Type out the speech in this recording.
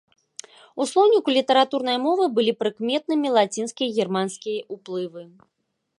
У слоўніку літаратурнай мовы былі прыкметнымі лацінскі і германскі ўплывы.